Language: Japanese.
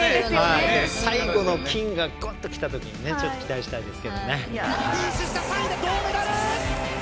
最後の金がきたときちょっと期待したいですけどね。